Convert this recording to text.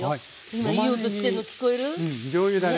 今いい音してるの聞こえる？